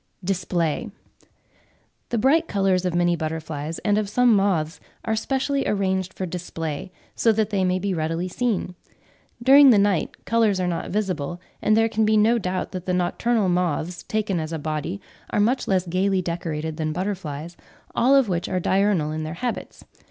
DISPLAY. The bright colours of many butterflies and of some moths are specially arranged for display, so that they may be readily seen. During the night colours are not visible, and there can be no doubt that the nocturnal moths, taken as a body, are much less gaily decorated than butterflies, all of which are diurnal in their habits.